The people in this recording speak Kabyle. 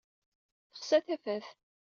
Texsa tafat.